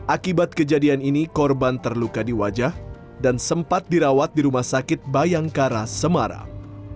akibat kejadian ini korban terluka di wajah dan sempat dirawat di rumah sakit bayangkara semarang